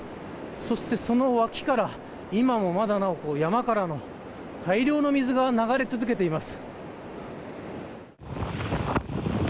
そして、その脇から今もなお山からの大量の水が流れ続けています。